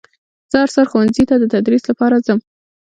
زه هر سهار ښوونځي ته در تدریس لپاره ځم